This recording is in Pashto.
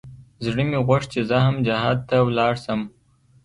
زړه مې غوښت چې زه هم جهاد ته ولاړ سم.